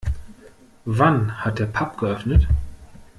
Wann hat der Pub geöffnet?